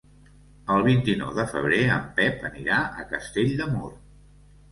El vint-i-nou de febrer en Pep anirà a Castell de Mur.